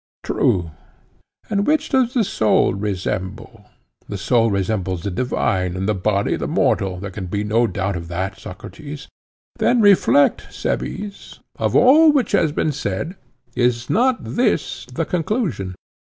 True. And which does the soul resemble? The soul resembles the divine, and the body the mortal—there can be no doubt of that, Socrates. Then reflect, Cebes: of all which has been said is not this the conclusion?